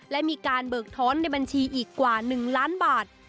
และมีการเบิกท้อนในบัญชีอีกกว่า๑ล้านบาท